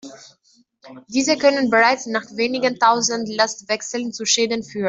Diese können bereits nach wenigen tausend Lastwechseln zu Schäden führen.